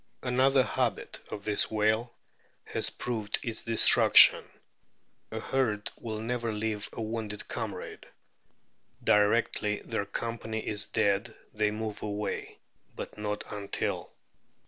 Another habit of this whale has proved its de struction ; a herd will never leave a wounded comrade. Directly their companion is dead they move away, but not until.